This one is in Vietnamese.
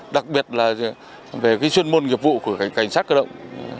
đặc biệt là về chuyên môn nghiệp vụ của cảnh sát cơ động